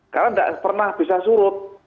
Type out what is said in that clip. karena nggak pernah bisa surut